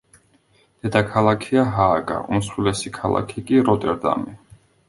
დედაქალაქია ჰააგა, უმსხვილესი ქალაქი კი როტერდამი.